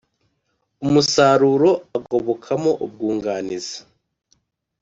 umusaruro agobokamo ubwunganizi